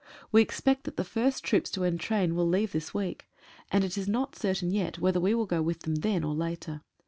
We expect that the first troops to entrain will leave this week, and it is not certain yet whether we will go with them then or later.